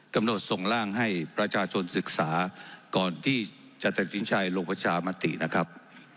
กำหนดส่งร่างให้ประชาชนศึกษาก่อนที่จะตัดสินใจลงประชามตินะครับ